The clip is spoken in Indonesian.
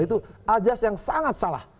itu ajas yang sangat salah